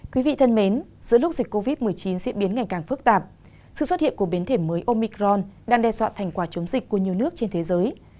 quý vị thân mến giữa lúc dịch covid một mươi chín diễn biến ngày càng phức tạp sự xuất hiện của biến thể mới omicron đang đe dọa thành quả chống dịch của nhiều nước trên thế giới